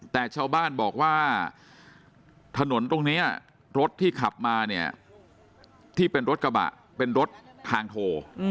แต่ชาวบ้านบอกว่าถนนตรงนี้รถที่ขับมาเนี่ยที่เป็นรถกระบะเป็นรถทางโท